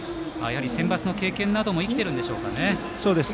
センバツの経験なども生きているんでしょうか。